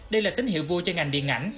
đây là tín hiệu vui cho ngành điện ảnh